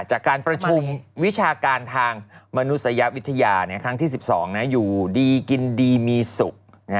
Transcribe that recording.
จากการประชุมวิชาการทางมนุษยวิทยาครั้งที่๑๒อยู่ดีกินดีมีสุข